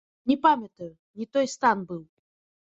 Не памятаю, не той стан быў.